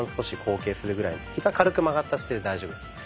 ひざ軽く曲がった姿勢で大丈夫です。